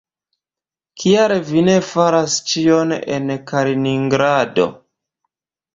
Kial vi ne faras ĉion en Kaliningrado?